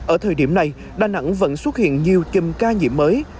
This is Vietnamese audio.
ở thời điểm này đà nẵng vẫn xuất hiện nhiều chùm ca nhiễm mới